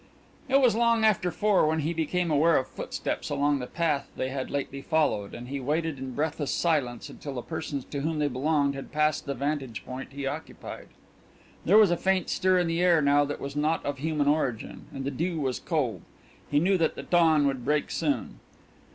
It was long after four when he became aware of footsteps along the path they had lately followed, and he waited in breathless silence until the persons to whom they belonged had passed the vantage point he occupied. There was a faint stir in the air now that was not of human origin, and the dew was cold; he knew that the dawn would break soon.